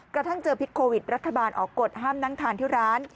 กระทั่งเจอพิษโควิดรัฐบาลออกกฎห้ามนั่งทานที่ร้าน